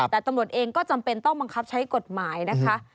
แต่ตำรวจเองก็จำเป็นต้องบังคับใช้กฎหมายนะคะ